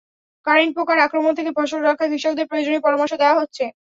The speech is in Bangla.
কারেন্ট পোকার আক্রমণ থেকে ফসল রক্ষায় কৃষকদের প্রয়োজনীয় পরামর্শ দেওয়া হচ্ছে।